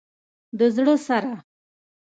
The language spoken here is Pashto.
د زړه سره